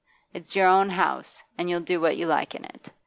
It's your own house, and you'll do what you like in it.